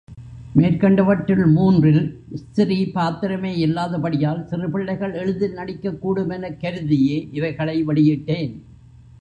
மேற்கண்டவற்றுள், மூன்றில் ஸ்திரீ பாத்திரமே இல்லாதபடியால் சிறுபிள்ளைகள் எளிதில் நடிக்கக் கூடுமெனக் கருதியே இவைகளை வெளியிட்டேன்.